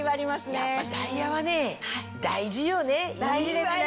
やっぱダイヤはね大事よねいいわよ！